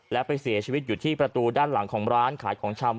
และไปเสียชีวิตอยู่ที่ประตูด้านหลังของร้านขายของชำ